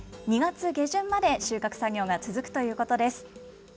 ２月下旬まで収穫作業が続くということです。